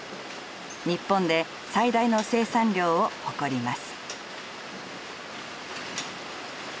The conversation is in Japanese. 日本で最大の生産量を誇ります。